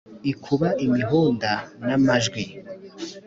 ikuba imihunda na majwi,